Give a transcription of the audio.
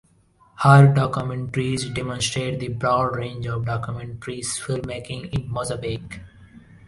Her documentaries demonstrate the broad range of documentary filmmaking in Mozambique.